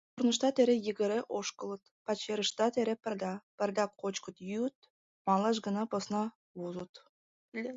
Корныштат эре йыгыре ошкылыт, пачерыштат эре пырля; пырляк кочкыт-йӱыт, малаш гына посна возыт.